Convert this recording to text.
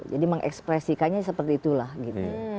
jadi mengekspresikannya seperti itulah gitu